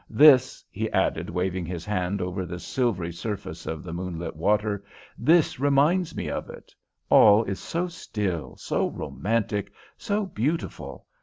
This," he added, waving his hand over the silvery surface of the moonlit water "this reminds me of it. All is so still, so romantic, so beautiful.